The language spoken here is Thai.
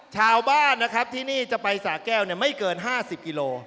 ชาวบ้านนะครับที่นี่จะไปสาแก้วไม่เกิน๕๐กิโล